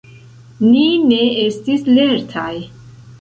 Ni ne estis lertaj.